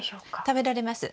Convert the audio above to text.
食べられます。